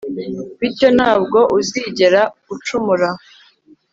bityo nta bwo uzigera ucumura